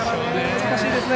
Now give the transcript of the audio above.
難しいですね。